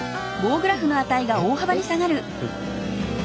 えっ！？